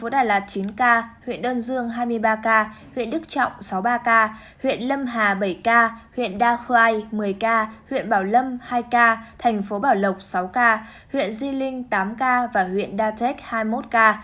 đà lạt chín ca huyện đơn dương hai mươi ba ca huyện đức trọng sáu mươi ba ca huyện lâm hà bảy ca huyện đa khoai một mươi ca huyện bảo lâm hai ca thành phố bảo lộc sáu ca huyện di linh tám ca và huyện đa thét hai mươi một ca